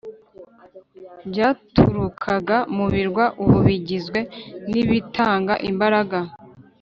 byaturukaga mu birwa ubu bigizwe nibitanga imbaraga.